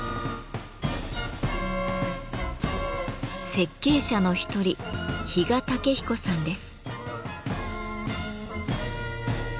設計者の一人比嘉武彦さんです。